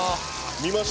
見ました？